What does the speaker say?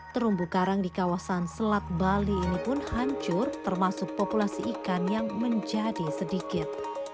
terumbu karang di kawasan selat bali ini pun hancur termasuk populasi ikan yang menjadi sedikit